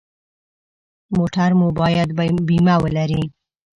موټر مو باید بیمه ولري.